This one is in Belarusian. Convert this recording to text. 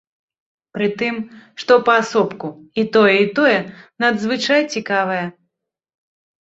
Пры тым, што паасобку, і тое, і тое надзвычай цікавае.